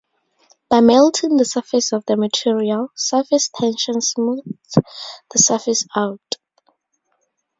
By melting the surface of the material, surface tension smooths the surface out.